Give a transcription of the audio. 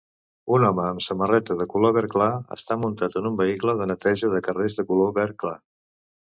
Un home amb samarreta de color verd clar està muntat en un vehicle de neteja de carrers de color verd clar.